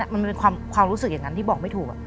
มันเป็นความรู้สึกอย่างนั้นที่บอกไม่ถูก